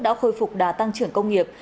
đã khôi phục đà tăng trưởng công nghiệp